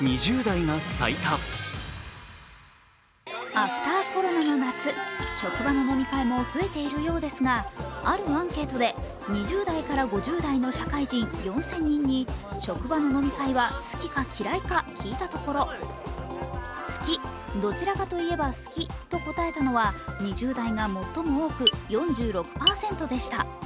アフター・コロナの夏、職場の飲み会も増えているようですがあるアンケートで、２０代から５０代の社会人４０００人に職場の飲み会は好きか嫌いか聞いたところ、好き、どちらかといえば好きと答えたのは２０代が最も多く４６％でした。